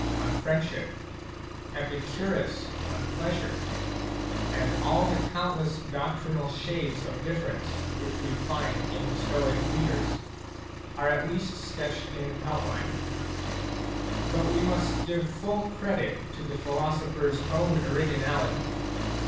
x Digitized by INTRODUCTION Friendship, Epicurus on Pleasure, and all the count less doctrinal shades of difference which we find in the Stoic leaders, are at least sketched in outline. But we must give full credit to the philosophers own originality.